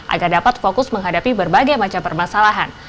agar dapat fokus menghadapi berbagai macam permasalahan